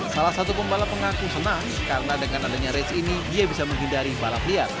salah satu pembalap mengaku senang karena dengan adanya race ini dia bisa menghindari balap liar